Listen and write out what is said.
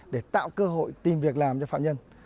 để tạo cơ hội tìm việc làm cho phạm nhân